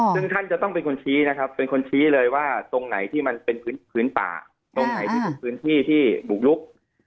ซึ่งท่านจะต้องเป็นคนชี้นะครับเป็นคนชี้เลยว่าตรงไหนที่มันเป็นพื้นป่าตรงไหนที่เป็นพื้นที่ที่บุกลุก